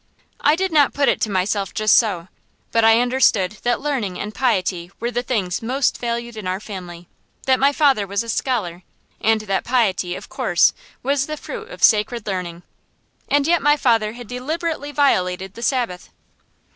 I did not put it to myself just so, but I understood that learning and piety were the things most valued in our family, that my father was a scholar, and that piety, of course, was the fruit of sacred learning. And yet my father had deliberately violated the Sabbath.